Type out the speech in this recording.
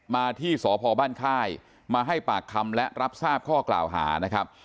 มาที่สพบ้านค่ายมาให้ปากคำและรับทราบข้อกล่าวหานะครับ